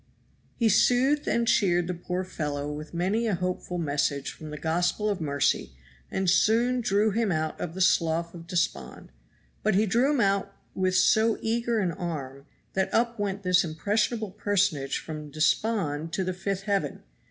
He soothed and cheered the poor fellow with many a hopeful message from the gospel of mercy and soon drew him out of the Slough of Despond; but he drew him out with so eager an arm that up went this impressionable personage from despond to the fifth heaven.